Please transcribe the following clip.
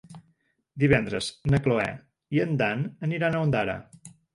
Divendres na Cloè i en Dan aniran a Ondara.